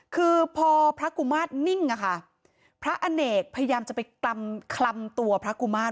คือพอพระกุมาตรนิ่งอะค่ะพระอเนกพยายามจะไปกลำคลำตัวพระกุมาตร